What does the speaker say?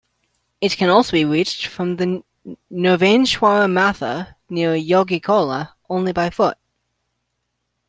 It can also be reached from Nirvaneshwara Matha near Yogikolla, only by foot.